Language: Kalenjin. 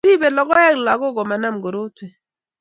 Ribei logoek lagok komanam korotwek